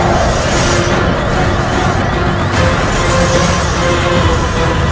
aku sudah napalkan